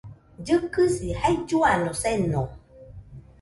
Llɨkɨsi jailluano seno